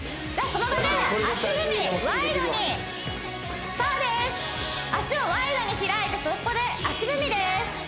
その場で足踏みワイドにそうです脚をワイドに開いてそこで足踏みです